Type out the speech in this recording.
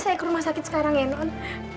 saya ke rumah sakti sekarang ya nont